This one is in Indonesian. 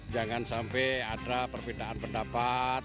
jangan sampai ada perbedaan pendapat